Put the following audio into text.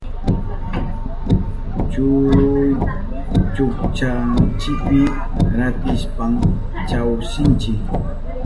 Kuru chukchanchipi ratarishpan chawsinchi.